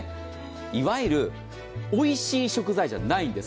いわゆる、おいしい食材じゃないんです。